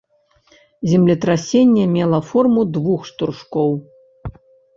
Землетрасенне мела форму двух штуршкоў.